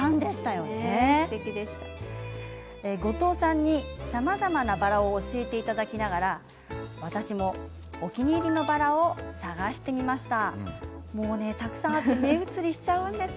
後藤さんに、さまざまなバラを教えていただきながら私もお気に入りのバラを探してみました。